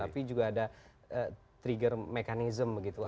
tapi juga ada trigger mechanism begitu